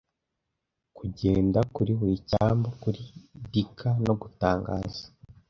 Kugenda kuri buri cyambu kuri dicker no gutangaza,